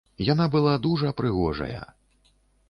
Яна была дужа прыгожая.